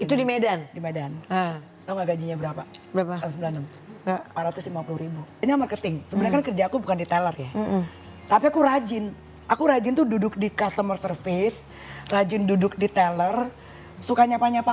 udah mapan sukses lah